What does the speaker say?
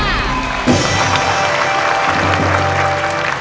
เพลงที่๒มาเลยครับ